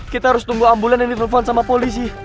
kita harus tunggu ambulan yang ditelepon sama polisi